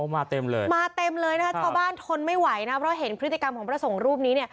มาเต็มเลยนะครับพอบ้านทนไม่ไหวนะครับเพราะเห็นพฤติกรรมของพระสงฆ์รูปนี้